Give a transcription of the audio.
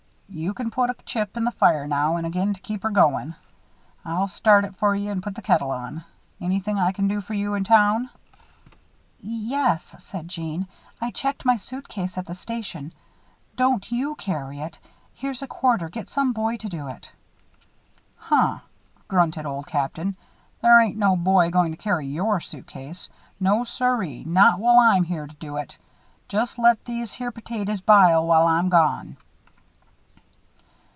You can put a chip in the fire now and again to keep her going. I'll start it for you and put the kettle on. Anythin' I can do for you up town?" "Yes," said Jeanne, "I checked my suitcase at the station. Don't you carry it. Here's a quarter get some boy to do it." "Huh!" grunted Old Captain, "thar ain't no boy goin' to carry your suitcase. No, siree, not while I'm here to do it. Just let these here potatoes bile while I'm gone."